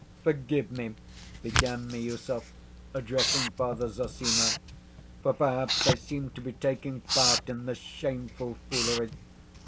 "Forgive me," began Miüsov, addressing Father Zossima, "for perhaps I seem to be taking part in this shameful foolery.